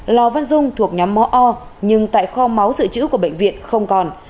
lò văn dung thuộc nhóm máu o nhưng tại kho máu dự trữ của bệnh viện không còn